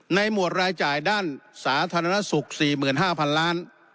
หมวดรายจ่ายด้านสาธารณสุข๔๕๐๐๐ล้าน